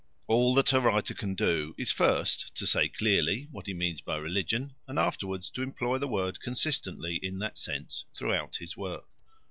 All that a writer can do is, first, to say clearly what he means by religion, and afterwards to employ the word consistently in that sense throughout his work.